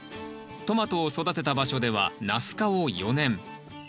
トマトを育てた場所ではナス科を４年。